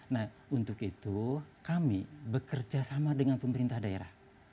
nah untuk itu kami bekerja sama dengan pemerintah daerah